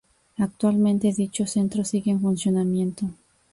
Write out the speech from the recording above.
Actualmente, dicho centro sigue en funcionamiento.